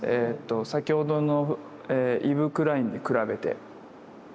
先ほどのイヴ・クラインに比べて。